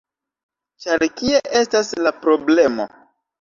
ĉar kie estas la problemo.